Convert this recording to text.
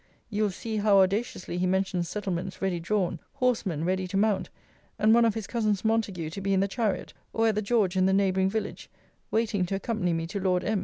You will see how audaciously he mentions settlements ready drawn; horsemen ready to mount; and one of his cousins Montague to be in the chariot, or at the George in the neighbouring village, waiting to accompany me to Lord M.'